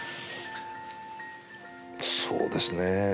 そうですね